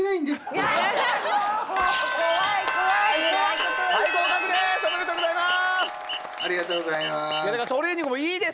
ありがとうございます。